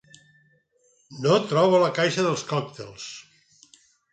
No trobo la caixa de còctels.